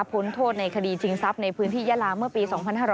พ้นโทษในคดีชิงทรัพย์ในพื้นที่ยาลาเมื่อปี๒๕๕๙